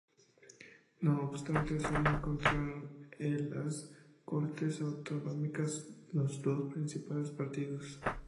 No obstante sólo entraron el las Cortes autonómicas los dos principales partidos.